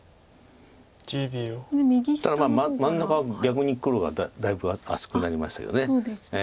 ただ真ん中は逆に黒がだいぶ厚くなりましたけど。